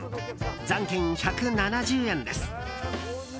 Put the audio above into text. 残金１７０円です。